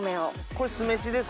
これ酢飯ですか？